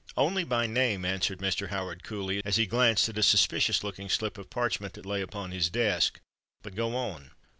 "Only by name," answered Mr. Howard coolly, as he glanced at a suspicious looking slip of parchment that lay upon his desk. "But go on."